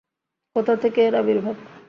কোথা থেকে এর আবির্ভাব?